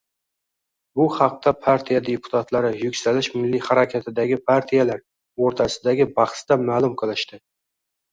Bu haqda partiya deputatlari Yuksalish milliy harakatidagi partiyalar o'rtasidagi bahsda ma'lum qilishdi